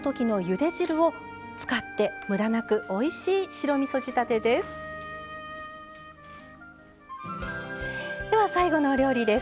では最後のお料理です。